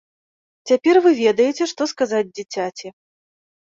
Цяпер вы ведаеце, што сказаць дзіцяці.